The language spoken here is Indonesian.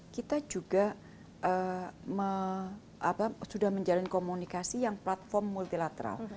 kita juga sudah menjalin komunikasi yang platform multilateral